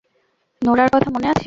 নোরার কথা মনে আছে?